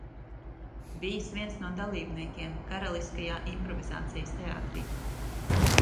"Bijis viens no dalībniekiem "Karaliskajā improvizācijas teātrī"."